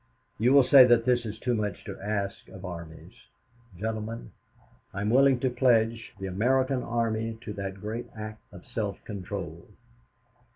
You will say that this is too much to ask of armies. Gentlemen, I am willing to pledge the American army to that great act of self control.'